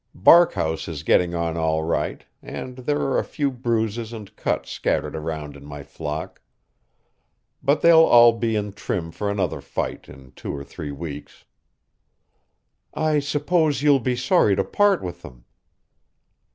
Barkhouse is getting on all right, and there are a few bruises and cuts scattered around in my flock. But they'll all be in trim for another fight in two or three weeks." "I suppose you'll be sorry to part with them."